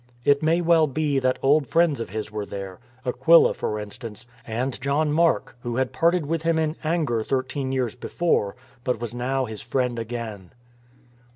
It may well be that old friends of his were there, Aquila, for instance, and John Mark, who had parted with him in anger thirteen years before, but was now his friend again.